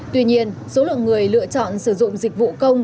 tuy nhiên số lượng người lựa chọn sử dụng dịch vụ công